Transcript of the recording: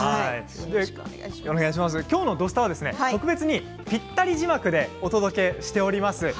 今日の「土スタ」は特別に「ぴったり字幕」でお届けしております。